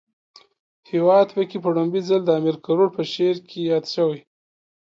هیواد پکی په ړومبی ځل د امیر کروړ په شعر کې ياد شوی